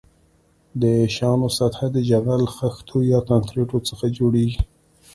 د شانو سطح د جغل، خښتو یا کانکریټو څخه جوړیږي